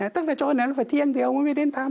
tức là chỗ này nó phải thiêng thì ông a mới đến thăm